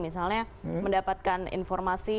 misalnya mendapatkan informasi